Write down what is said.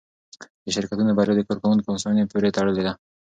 د شرکتونو بریا د کارکوونکو هوساینې پورې تړلې ده.